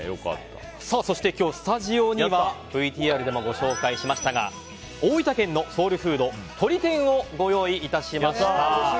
そして今日スタジオにはＶＴＲでもご紹介しましたが大分県のソウルフードとり天をご用意いたしました。